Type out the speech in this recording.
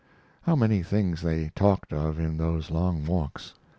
How many things they talked of in those long walks!